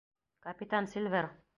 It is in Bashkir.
— Капитан Сильвер?